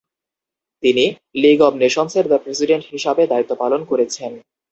তিনি league of নেশন্সের president হিসাবে দায়িত্ব পালন করেছেন।